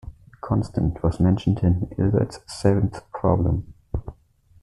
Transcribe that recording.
The constant was mentioned in Hilbert's seventh problem.